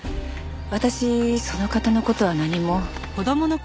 私その方の事は何も。